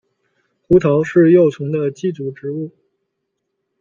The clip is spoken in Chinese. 胡桃是幼虫的寄主植物。